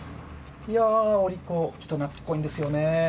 いやー、お利口、人なつっこいんですよね。